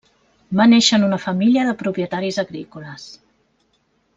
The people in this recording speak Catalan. Va néixer en una família de propietaris agrícoles.